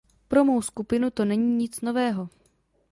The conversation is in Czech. Pro mou skupinu to není nic nového.